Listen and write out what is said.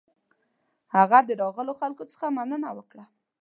هغه د راغلو خلکو څخه مننه وکړه.